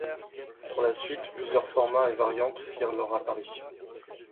Par la suite, plusieurs formats et variantes firent leur apparition.